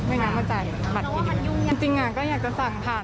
ไม่งั้นมาจ่ายบัตรทีดีกว่าจริงอ่ะก็อยากจะสั่งผ่าน